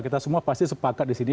kita semua pasti sepakat di sini